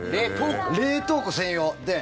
冷凍庫専用。